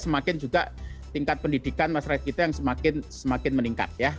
semakin juga tingkat pendidikan masyarakat kita yang semakin meningkat ya